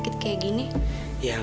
model yang lagi naik down